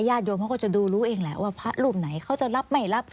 ญาติโยมเขาก็จะดูรู้เองแหละว่าพระรูปไหนเขาจะรับไม่รับ